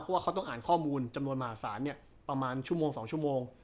เพราะว่าเขาต้องอ่านข้อมูลจำนวนมหาศาลประมาณชั่วโมง๒ชั่วโมง